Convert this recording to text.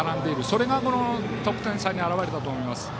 それが、この得点差に表れたと思います。